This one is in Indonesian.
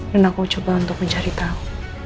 dan aku mencoba untuk mencari tahu